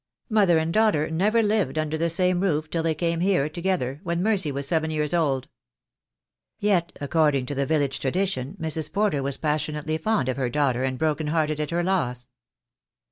Mother and daughter never lived under the same roof till they came here together, when Mercy was seven years old." "Yet, according to village tradition, Mrs. Porter was passionately fond of her daughter, and broken hearted at her loss."